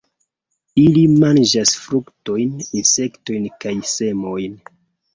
Ili manĝas fruktojn, insektojn kaj semojn.